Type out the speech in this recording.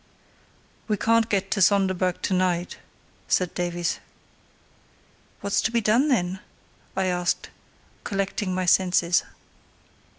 "We can't get to Sonderburg to night," said Davies. "What's to be done then?" I asked, collecting my senses.